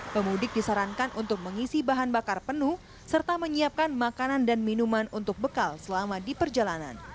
pemudik disarankan untuk mengisi bahan bakar penuh serta menyiapkan makanan dan minuman untuk bekal selama di perjalanan